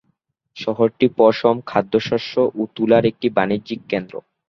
শহরটি পশম, খাদ্যশস্য ও তুলার একটি বাণিজ্যিক কেন্দ্র।